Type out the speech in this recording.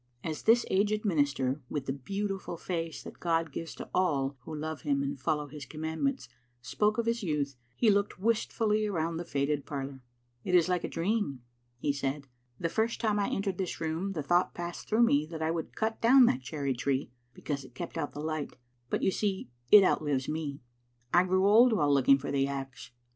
As this aged minister, with the beautiful face that God gives to all who love Him and follow His com mandments, spoke of his youth, he looked wistfully around the faded parlour. " It is like a dream," he said. " The first time I en tered this room the thought passed through me that I would cut down that cherry tree, because it kept out the light, but, you see, it outlives me. I grew old while looking for the axe.